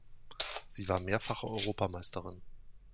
Sie war mehrfache Europameisterin.